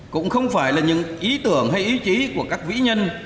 cũng không phải là những ý tưởng hay ý chí của các vĩ nhân